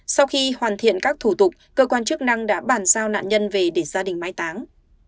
sau khi hoàn thiện các thủ tục cơ quan chức năng đã bàn giao nạn nhân về để gia đình mái táng